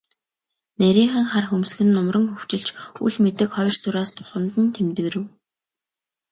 Нарийхан хар хөмсөг нь нумран хөвчилж, үл мэдэг хоёр зураас духанд нь тэмдгэрэв.